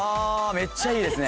めっちゃいいですね